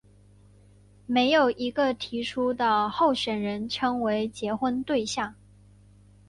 没有一个提出的候选人称为结婚对象。